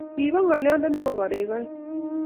Kibo ngolyondoni mogorek oeng